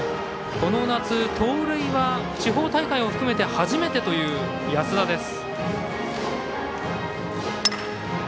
この夏、盗塁は地方大会を含めて初めてという安田です。